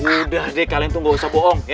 udah deh kalian tunggu sepowong